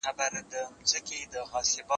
توا هيڅ يې نه ول ليدلي .